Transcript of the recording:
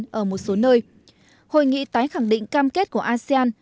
ở một số nơi hội nghị tái khẳng định cam kết của asean